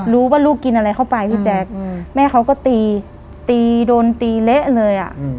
รู้ว่าลูกกินอะไรเข้าไปพี่แจ๊คอืมแม่เขาก็ตีตีโดนตีเละเลยอะอืม